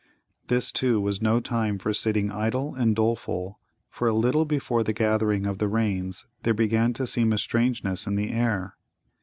This, too, was no time for sitting idle and doleful. For a little before the gathering of the rains there began to seem a strangeness in the air.